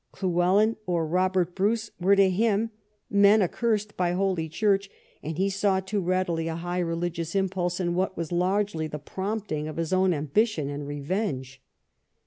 Llywelyn or Robert Bruce were to him men accursed by Holy Church, and he saw too readily a high religious impulse in what was largely the prompting of his own ambition and revenge.